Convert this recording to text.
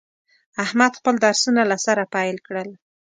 احمد خپل درسونه له سره پیل کړل.